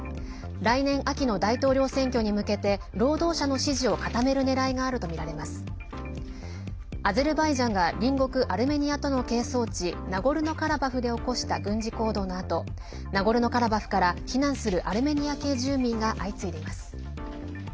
来年秋の大統領選挙に向けて労働者の支持をアゼルバイジャンが隣国アルメニアとの係争地ナゴルノカラバフで起こした軍事行動のあとナゴルノカラバフから避難するアルメニア系住民が相次いでいます。